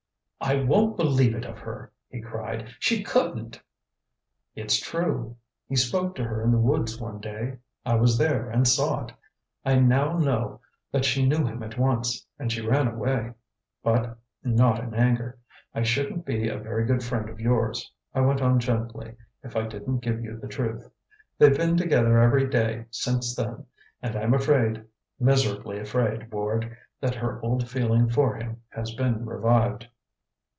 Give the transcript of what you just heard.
"I won't believe it of her!" he cried. "She couldn't " "It's true. He spoke to her in the woods one day; I was there and saw it. I know now that she knew him at once; and she ran away, but not in anger. I shouldn't be a very good friend of yours," I went on gently, "if I didn't give you the truth. They've been together every day since then, and I'm afraid miserably afraid, Ward that her old feeling for him has been revived."